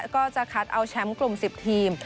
ก็จะคัดเอาแชมป์กลุ่ม๑๐ทีม